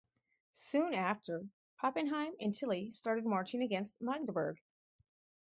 Soon after, Pappenheim and Tilly started marching against Magdeburg.